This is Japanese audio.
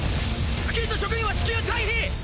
付近の職員は至急退避！